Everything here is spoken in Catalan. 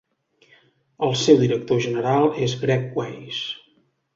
El seu director general és Greg Weis.